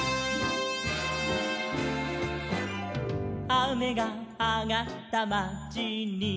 「あめがあがったまちに」